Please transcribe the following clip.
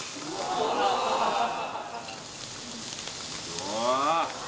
うわ